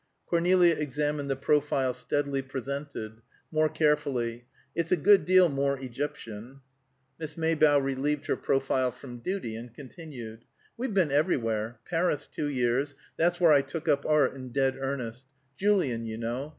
Cornelia examined the profile steadily presented, more carefully: "It's a good deal more Egyptian." Miss Maybough relieved her profile from duty, and continued, "We've been everywhere. Paris two years. That's where I took up art in dead earnest; Julian, you know.